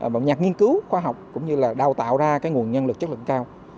bộng nhạc nghiên cứu khoa học cũng như là đào tạo ra cái nguồn nhân lực chất lượng cao